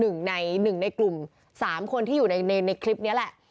คือหนึ่งในกลุ่ม๓คนที่อยู่ในคลิปนี่แหละ